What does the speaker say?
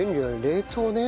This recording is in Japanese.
冷凍ね。